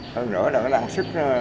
hơn nữa là cái năng suất